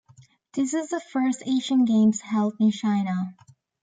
This is the first Asian Games held in China.